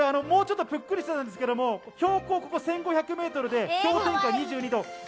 もうちょっとぷっくりしていたんですけど、標高１５００メートルで氷点下２２度。